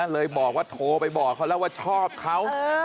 เลยบอกว่าโทรไปบอกเขาแล้วว่าชอบเขา